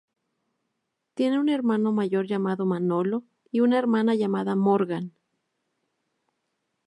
Tiene un hermano mayor llamado Manolo y una hermana llamada Morgan.